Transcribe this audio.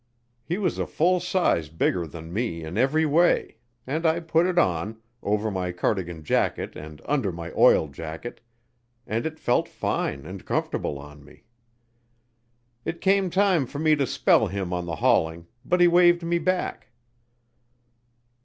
He was a full size bigger than me in every way, and I put it on, over my cardigan jacket and under my oil jacket, and it felt fine and comfortable on me. It came time for me to spell him on the hauling, but he waved me back.